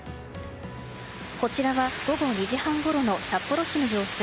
こちらは午後２時半ごろの札幌市の様子。